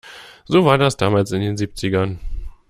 So war das damals in den Siebzigern.